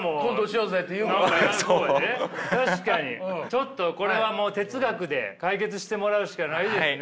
ちょっとこれはもう哲学で解決してもらうしかないですね。